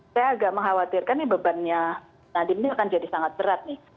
saya agak mengkhawatirkan nih bebannya nadiem ini akan jadi sangat berat nih